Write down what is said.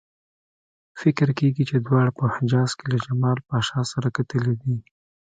فکر کېږي چې دواړو په حجاز کې له جمال پاشا سره کتلي دي.